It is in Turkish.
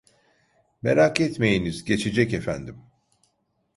Merak etmeyiniz, geçecek efendim.